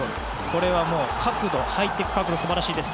これは角度、入っていく角度素晴らしいです。